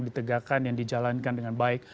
ditegakkan yang dijalankan dengan baik